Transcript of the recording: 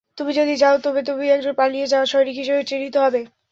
তুমি যদি যাও, তবে তুমি একজন পালিয়ে যাওয়া সৈনিক হিসেবে চিহ্নিত হবে।